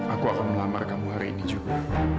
aku akan melamar kamu hari ini juga